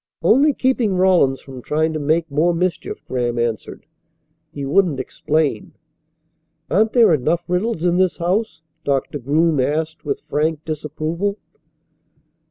"Only keeping Rawlins from trying to make more mischief," Graham answered. He wouldn't explain. "Aren't there enough riddles in this house?" Doctor Groom asked with frank disapproval.